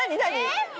えっ！